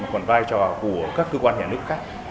còn vai trò của các cơ quan nhà nước khác